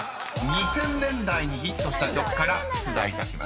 ［２０００年代にヒットした曲から出題いたします］